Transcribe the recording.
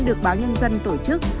được báo nhân dân tổ chức